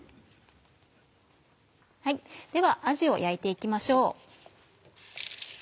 ではあじを焼いて行きましょう。